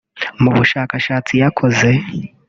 Mu bushakashatsi yakoze